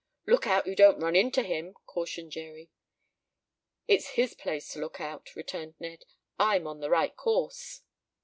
"Look out you don't run into him," cautioned Jerry. "It's his place to look out," returned Ned. "I'm on the right course."